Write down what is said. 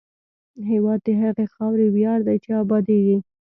هېواد د هغې خاورې ویاړ دی چې ابادېږي.